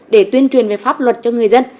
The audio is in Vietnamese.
để tuyên truyền về pháp luật cho người dân